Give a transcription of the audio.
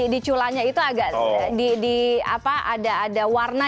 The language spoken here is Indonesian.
di culanya itu agak di apa ada warna